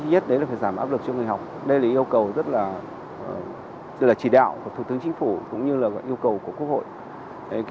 giảm áp lực cho người học đây là yêu cầu rất là chỉ đạo của thủ tướng chính phủ cũng như là yêu cầu của quốc hội